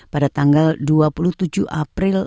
pada tanggal dua puluh tujuh april